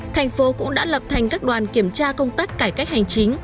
thành phố cũng đã lập thành các đoàn kiểm tra công tác cải cách hành chính